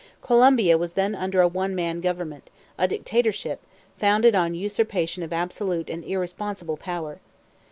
Colombia was then under a one man government, a dictatorship, founded on usurpation of absolute and irresponsible power.